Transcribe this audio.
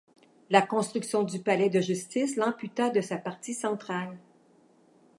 La construction du palais de justice l'amputa de sa partie centrale.